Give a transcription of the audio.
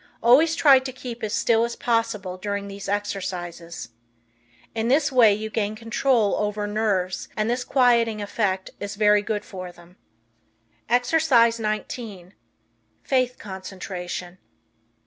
Always try to keep as still as possible during these exercises. In this way you can gain control over nerves and this quieting effect is very good for them. Exercise 19 Faith Concentration.